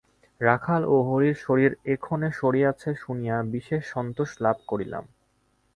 রাখাল ও হরির শরীর এক্ষণে সারিয়াছে শুনিয়া বিশেষ সন্তোষ লাভ করিলাম।